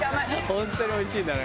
「本当においしいんだね」